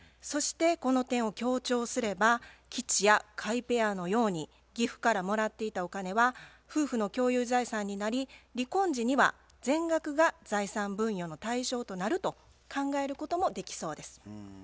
そしてこの点を強調すれば吉弥・甲斐ペアのように義父からもらっていたお金は夫婦の共有財産になり離婚時には全額が財産分与の対象となると考えることもできそうです。